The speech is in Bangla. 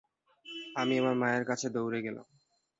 আমি আমার মায়ের কাছে দৌড়ে গেলাম।